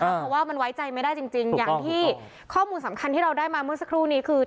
เพราะว่ามันไว้ใจไม่ได้จริงอย่างที่ข้อมูลสำคัญที่เราได้มาเมื่อสักครู่นี้คือ